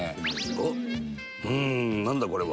おっうーんなんだ？これは。